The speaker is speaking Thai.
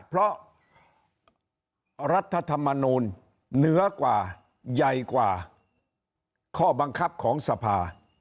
เพราะรัฐธรรมนูลเหนือกว่าใหญ่กว่าข้อบังคับของสภา